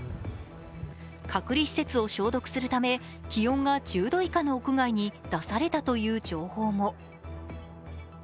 隔離施設を消毒するため気温が１０度以下の屋外に出されたという情報も。